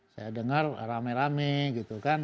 saya dengar rame rame gitu kan